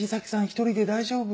一人で大丈夫？